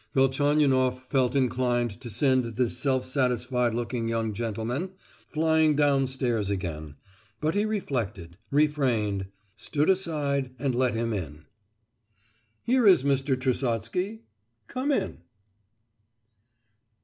Velchaninoff felt inclined to send this self satisfied looking young gentleman flying downstairs again; but he reflected—refrained, stood aside and let him in. "Here is Mr. Trusotsky. Come in."